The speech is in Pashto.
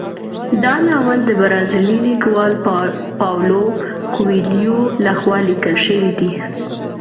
دا ناول د برازیلي لیکوال پاولو کویلیو لخوا لیکل شوی دی.